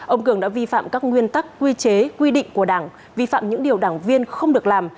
ông cường đã vi phạm các nguyên tắc quy chế quy định của đảng vi phạm những điều đảng viên không được làm